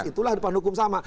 itulah depan hukum sama